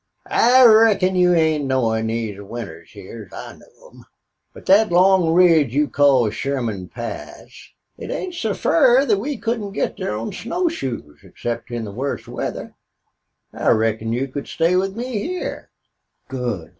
"I reckon you ain't knowin' these winters hyar as I know them. But thet long ridge you call Sherman Pass it ain't so fur we couldn't get thar on snow shoes except in the wust weather. I reckon you can stay with me hyar." "Good!"